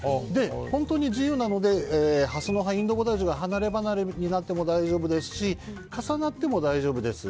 本当に自由なのでハスの葉、インドボダイジュが離れ離れになっても大丈夫ですし重なっても大丈夫です。